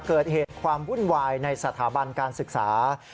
เกิดเหตุความวุ่นวายในสถาบันการศึกษา